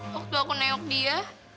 waktu aku neyok dia